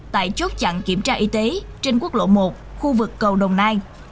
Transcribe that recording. tại chốt chặn kiểm tra y tế trên quốc lộ một khu vực cầu đồng nai